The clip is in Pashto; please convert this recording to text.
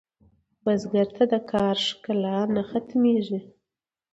بزګر ته د کار ښکلا نه ختمېږي